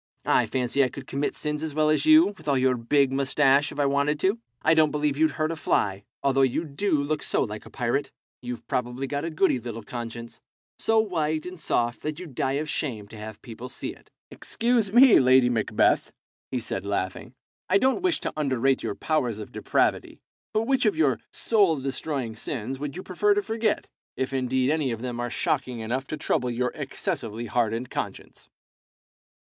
I fancy I could commit sins as well as you, with all your big moustache, if I wanted to. I don't believe you'd hurt a fly, although you do look so like a pirate. You've probably got a goody little conscience, so white and soft that you'd die of shame to have people see it." "Excuse me, Lady Macbeth," he said, laughing; "I don't wish to underrate your powers of depravity, but which of your soul destroying sins would you prefer to forget, if indeed any of them are shocking enough to trouble your excessively hardened conscience?